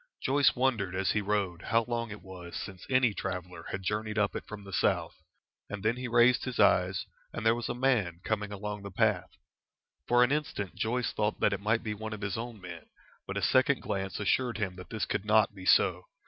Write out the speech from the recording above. Joyce wondered as he rode how long it was since any traveller had journeyed up it from the south, and then he raised his eyes, and there was a man coming along the path. For an instant Joyce thought that it might be one of his own men, but a second glance assured him that this could not be so.